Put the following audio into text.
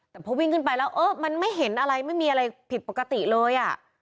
แต่พอวิ่งขึ้นไปแล้วเออมันไม่เห็นอะไรไม่มีอะไรผิดปกติเลยอ่ะ